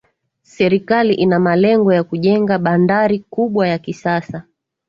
Serikali ina malengo ya kujenga bandari kubwa ya kisasa